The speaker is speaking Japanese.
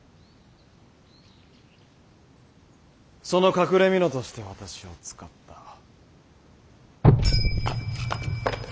その隠れみのとして私を使った。